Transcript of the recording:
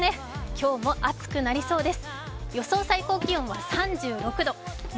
今日も暑くなりそうです。